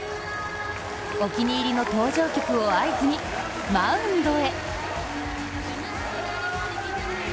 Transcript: お気に入りの登場曲を合図にマウンドへ。